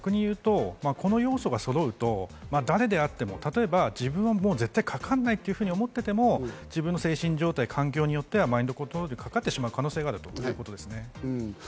この要素が揃うと自分は絶対かからないと思っていても自分の精神状態、環境によってはマインドコントロールにかかってしまう可能性があるということです。